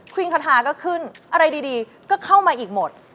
วินคาทาก็ขึ้นอะไรดีก็เข้ามาอีกหมด